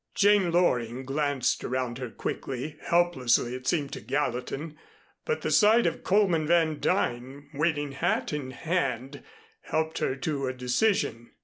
Jane Loring glanced around her quickly, helplessly it seemed to Gallatin, but the sight of Coleman Van Duyn, waiting hat in hand, helped her to a decision.